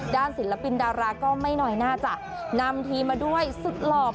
ศิลปินดาราก็ไม่น้อยน่าจะนำทีมมาด้วยสุดหลอก